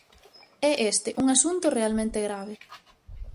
É este un asunto realmente grave.